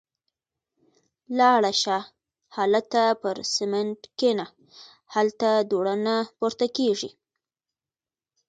– لاړه شه. هالته پر سمڼت کېنه. هلته دوړه نه پورته کېږي.